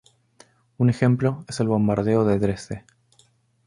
Un ejemplo es el Bombardeo de Dresde.